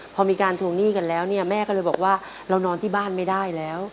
พอมีการทวงหนี้กันแล้วเนี่ยแม่ก็เลยบอกว่าเรานอนที่บ้านไม่ได้แล้ว